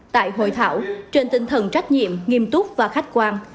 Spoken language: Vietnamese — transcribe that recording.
tại hội thảo trên tinh thần trách nhiệm nghiêm túc và khách quan